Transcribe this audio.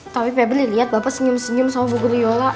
tapi peb liat bapak senyum senyum sama bu guryola